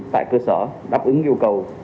tại cơ sở đáp ứng yêu cầu